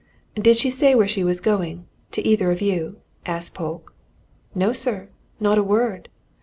"Did she say where she was going to either of you?" asked Polke. "No, sir not a word!"